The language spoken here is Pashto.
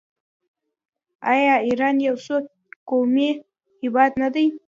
آیا ایران یو څو قومي هیواد نه دی؟